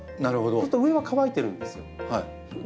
そうすると上は乾いてるんですよ。